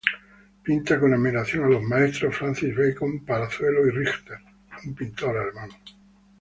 Pinta con admiración a los maestros: Francis Bacon, Palazuelo y Richter, un pintor alemán.